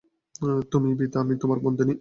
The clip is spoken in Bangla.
তুমি বীর, আমি তোমার বন্দিনী।